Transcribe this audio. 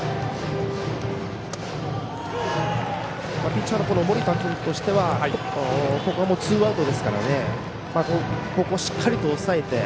ピッチャーの森田君としてはここはツーアウトですからここをしっかり抑えて。